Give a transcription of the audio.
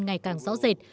ngày càng rõ rệt